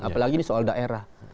apalagi ini soal daerah